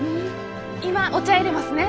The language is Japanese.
今お茶いれますね。